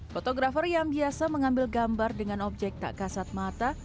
fotografer yang biasa mengambil gambar dengan objek tak kasat mata